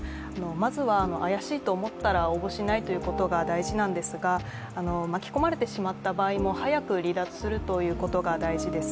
まずは怪しいと思ったら応募しないということが大事なんですが巻き込まれてしまった場合も早く離脱するということが大事です。